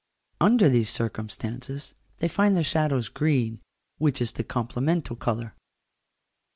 Under these circumstances, they find the shadows green, which is the complemental colour.